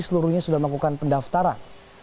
seluruhnya sudah melakukan pendaftaran